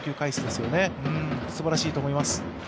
すばらしいと思います。